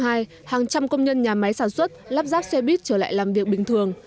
hàng trăm công nhân nhà máy sản xuất lắp ráp xe buýt trở lại làm việc bình thường